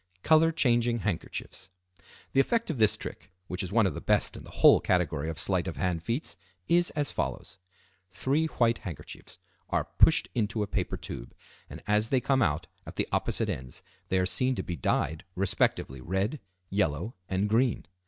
Color changing Handkerchiefs.—The effect of this trick, which is one of the best in the whole category of sleight of hand feats, is as follows: Three white handkerchiefs are pushed into a paper tube, and as they come out at the opposite ends they are seen to be dyed respectively red, yellow, and green.